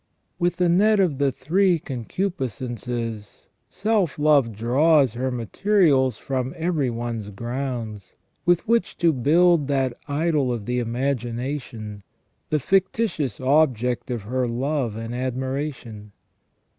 With the net of the three concu piscences self love draws her materials from every one's grounds with which to build that idol of the imagination, the fictitious object of her love and admiration.